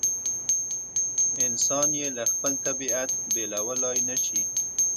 انسان یې له خپل طبیعت بېلولای نه شي.